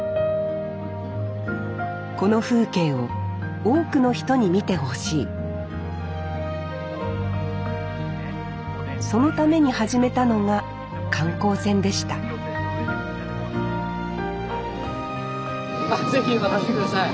この風景を多くの人に見てほしいそのために始めたのが観光船でしたあっ是非また来て下さい。